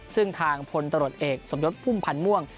ซึ่งทางพลตรวจเอกสมยศพุ่มพันธ์ม่วง